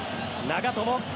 長友。